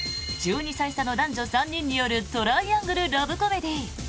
１２歳差の男女３人によるトライアングルラブコメディー。